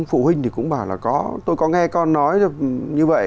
phụ huynh thì cũng bảo là có tôi có nghe con nói như vậy